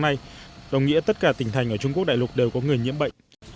nay đồng nghĩa tất cả tỉnh thành ở trung quốc đại lục đều có người nhiễm bệnh